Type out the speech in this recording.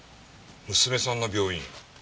娘さんの病院？